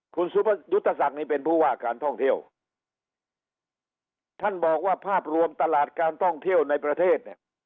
คุณยุทธศักดิ์นี่เป็นผู้ว่าการท่องเที่ยวท่านบอกว่าภาพรวมตลาดการท่องเที่ยวในประเทศเนี่ย